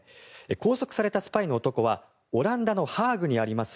拘束されたスパイの男はオランダのハーグにあります